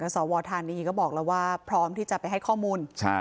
สวธานีก็บอกแล้วว่าพร้อมที่จะไปให้ข้อมูล